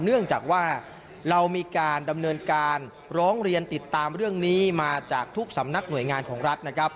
เนื่องจากว่าเรามีการดำเนินการร้องเรียนติดตามเรื่องนี้มาจากทุกสำนักหน่วยงานของรัฐนะครับ